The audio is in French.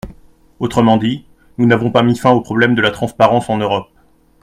Autrement dit, nous n’avons pas mis fin au problème de la transparence en Europe.